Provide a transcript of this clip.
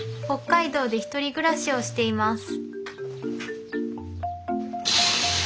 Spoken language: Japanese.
北海道で１人暮らしをしています